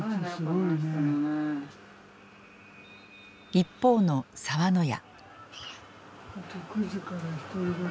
一方の澤の屋。